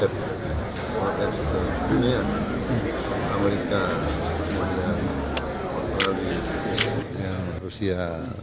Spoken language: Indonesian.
untuk ke dunia amerika australia rusia